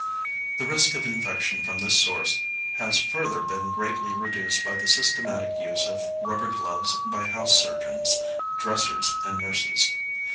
The risk of infection from this source has further been greatly reduced by the systematic use of rubber gloves by house surgeons, dressers, and nurses.